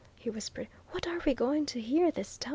he whispered. "What are we going to hear this time?"